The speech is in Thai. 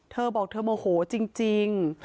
เธอบอกเธอโมโหจริง